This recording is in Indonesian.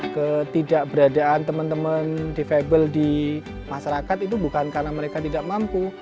ketidakberadaan teman teman defable di masyarakat itu bukan karena mereka tidak mampu